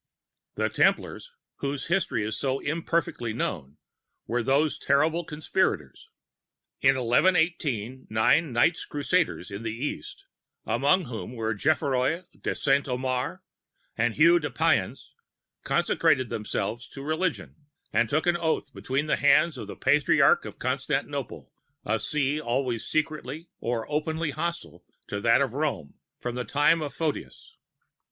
"The Templars, whose history is so imperfectly known, were those terrible conspirators. In 1118, nine Knights Crusaders in the East, among whom were Geoffroi de Saint Omer and Hugues de Payens, consecrated themselves to religion, and took an oath between the hands of the Patriarch of Constantinople, a See always secretly or openly hostile to that of Rome from the time of Photius.